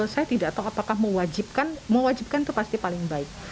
saya tidak tahu apakah mewajibkan mewajibkan itu pasti paling baik